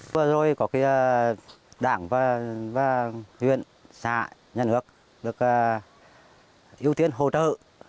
vừa rồi có cái đảng và huyện xã nhân ước được ưu tiên hỗ trợ